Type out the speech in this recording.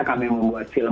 kami membuat film